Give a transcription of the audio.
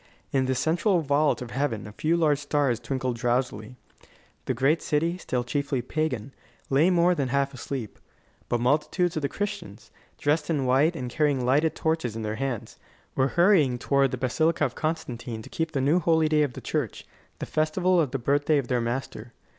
In the central vault of heaven a few large stars twinkled drowsily. The great city, still chiefly pagan, lay more than half asleep. But multitudes of the Christians, dressed in white and carrying lighted torches in their hands, were hurrying toward the Basilica of Constantine to keep the new holy day of the church, the festival of the birthday of their Master.